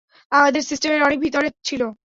আমাদের সিস্টেমের অনেক ভিতরে ছিল।